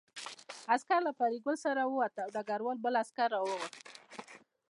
عسکر له فریدګل سره ووت او ډګروال بل عسکر راوغوښت